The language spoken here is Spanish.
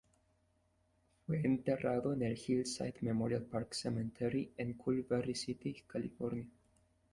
Fue enterrado en el Hillside Memorial Park Cemetery en Culver City, California.